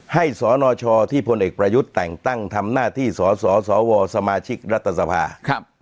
ให้สแลนฐพยแต่งตั้งทำน่าที่สวสมาชิกรัฐธรรมศาสตรา